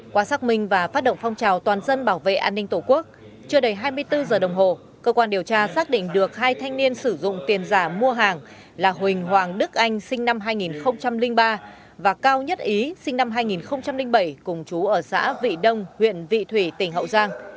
qua xác minh và phát động phong trào toàn dân bảo vệ an ninh tổ quốc chưa đầy hai mươi bốn giờ đồng hồ cơ quan điều tra xác định được hai thanh niên sử dụng tiền giả mua hàng là huỳnh hoàng đức anh sinh năm hai nghìn ba và cao nhất ý sinh năm hai nghìn bảy cùng chú ở xã vị đông huyện vị thủy tỉnh hậu giang